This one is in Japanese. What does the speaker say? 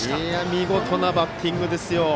見事なバッティングですよ。